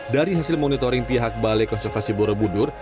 dari hasil monitoring pihak balai konservasi borobudur